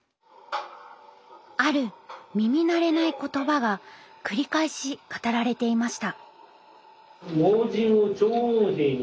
ある耳慣れない言葉が繰り返し語られていました。